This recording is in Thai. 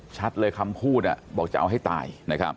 ชัดเลยคำพูดบอกจะเอาให้ตาย